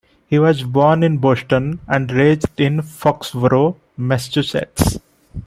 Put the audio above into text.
He was born in Boston and raised in Foxborough, Massachusetts.